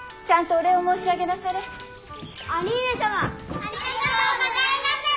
ありがとうございまする！